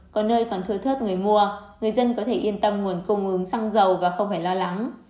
có nơi còn thừa thớt người mua người dân có thể yên tâm nguồn cung ứng xăng dầu và không phải lo lắng